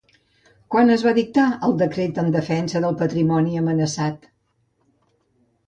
Quan es va dictar el decret en defensa del patrimoni amenaçat?